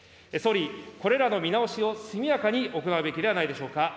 総理、これらの見直しを速やかに行うべきではないでしょうか。